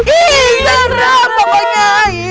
ih serem pokoknya